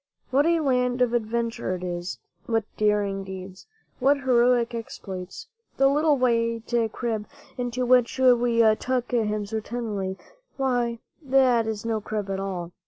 What a land of adventure it is! What daring deeds! What heroic exploits! The little white crib, into which we tuck him so tenderly— why, that is no crib at all!